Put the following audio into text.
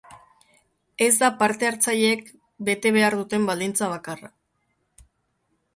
Ez da parte-hartzaileek bete behar duten baldintza bakarra.